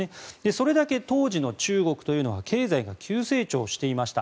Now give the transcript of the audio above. それだけ当時の中国というのは経済が急成長していました。